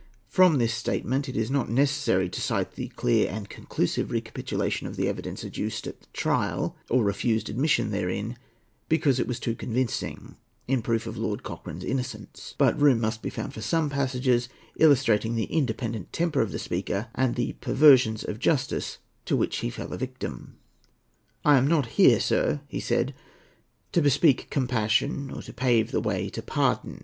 From this statement it is not necessary to cite the clear and conclusive recapitulation of the evidence adduced at the trial, or refused admission therein because it was too convincing, in proof of Lord Cochrane's innocence; but room must be found for some passages illustrating the independent temper of the speaker and the perversions of justice to which he fell a victim. "I am not here, sir," he said, "to bespeak compassion or to pave the way to pardon.